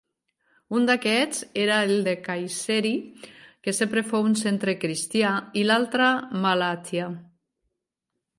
Un d'aquests era el de Kayseri, que sempre fou un centre cristià, i l'altre, Malatya.